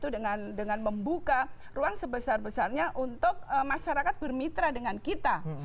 dengan membuka ruang sebesar besarnya untuk masyarakat bermitra dengan kita